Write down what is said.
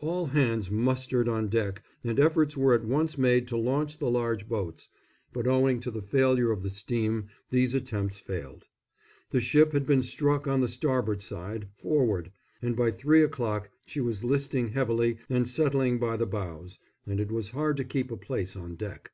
All hands mustered on deck and efforts were at once made to launch the large boats, but owing to the failure of the steam these attempts failed. The ship had been struck on the starboard side, forward, and by three o'clock she was listing heavily and settling by the bows; and it was hard to keep a place on deck.